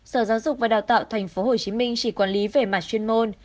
sở giáo dục và đào tạo tp hcm chỉ quản lý về mặt chuyên môn